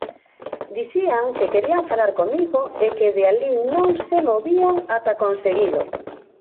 Dicían que querían falar comigo e que de alí non se movían ata conseguilo.